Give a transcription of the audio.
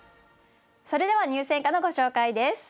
それでは入選歌のご紹介です。